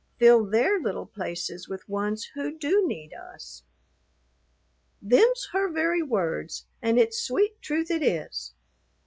Fill their little places with ones who do need us.' Them's her very words, and it's sweet truth it is.